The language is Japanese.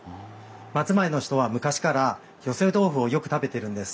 松前の人は昔から寄せ豆腐をよく食べてるんです。